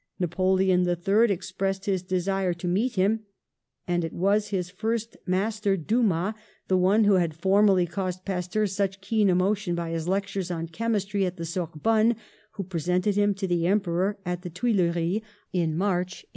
Napoleon III expressed his desire to meet him, and it was his first master, Dumas, 70 PASTEUR the one who had formerly caused Pasteur such keen emotion by his lectures on chemistry at the Sorbonne, who presented him to the Em peror at the Tuileries in March, 1863.